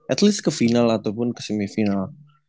at least ke final ataupun ke semifinal